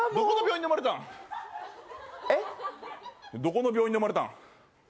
もうどこの病院で生まれたんえっ？